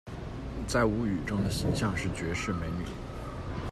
在物语中的形象是绝世美女。